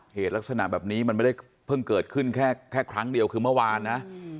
เหตุลักษณะแบบนี้มันไม่ได้เพิ่งเกิดขึ้นแค่ครั้งเดียวคือเมื่อวานนะ